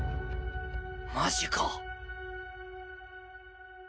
マジか。